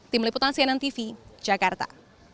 tim liputan cnn tv jakarta